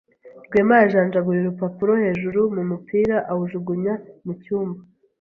Rwema yajanjaguye urupapuro hejuru mu mupira awujugunya mu cyumba.